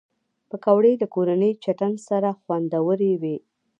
پکورې له کورني چټن سره خوندورې وي